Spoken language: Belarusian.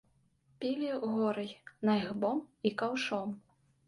Пілі гора й нагбом, і каўшом.